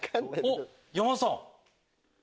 おっ山田さん！